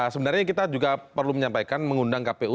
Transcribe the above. sebenarnya kita juga perlu menyampaikan mengundang kpu